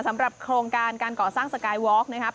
สำหรับโครงการการก่อสร้างสกายวอล์กนะครับ